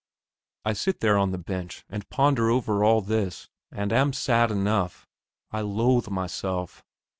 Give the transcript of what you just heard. I sit there on the bench and ponder over all this, and am sad enough. I loathe myself.